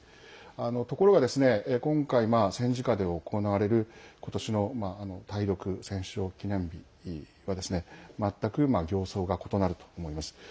ところが今回、戦時下で行われることしの対独戦勝記念日は全く形相が異なると思います。